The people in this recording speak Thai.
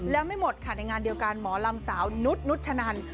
แล้วไม่หมดค่ะในงานเดียวกันหมอลำสาวนุษนุชนัน